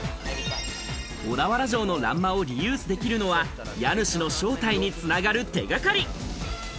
小田原城の欄間をリユースできるのは、家主の正体に繋がる手掛かり。